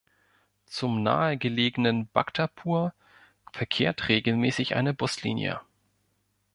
Zum nahe gelegenen Bhaktapur verkehrt regelmäßig eine Buslinie.